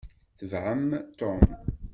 Tebɛem Tom!